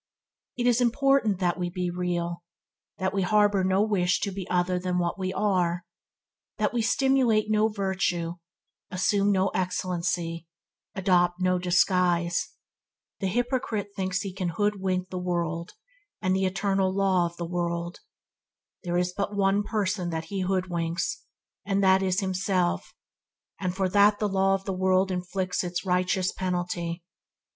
It is all important that we be real; that we harbour no wish to appear other than what we are; that we simulate no virtue, assume no excellency, adopt no disguise. The hypocrite thinks he can hood wink the world and the eternal law of the world. There is but one person that he hoodwinks, and that is himself, and for that the law of the world inflicts its righteous penalty.